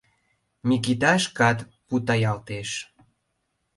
— Микита шкат путаялтеш.